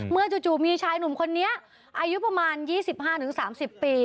จู่มีชายหนุ่มคนนี้อายุประมาณ๒๕๓๐ปี